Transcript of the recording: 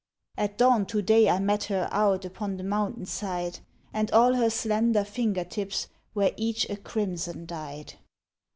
At dawn to day I met her out Upon the mountain side, And all her slender finger tips Were eacli a crimson dyed.